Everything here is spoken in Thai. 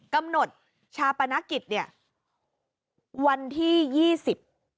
กำหนดชาปนกิจเนี่ยวันที่๒๐